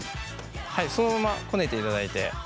はいそのままこねていただいて。